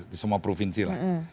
di semua provinsi lah